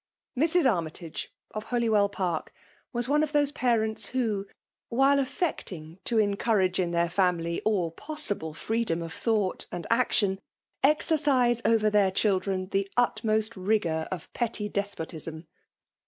Mrs. Armytage, of Holywell Park, was one of those parents who, while affecting to encou« rage in their family all possible freedom of thought and action, exercise over their cliil dren the utmost rigotir of petty despotism.